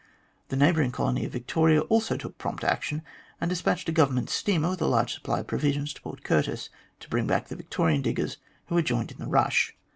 The neighbouring colony of Victoria also took prompt action, and despatched a Government steamer, with a large supply of provisions, to Port Curtis to bring back the Victorian diggers who had joined in the rush.